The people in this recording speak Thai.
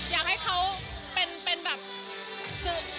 อยากให้เขาเป็นแบบคือ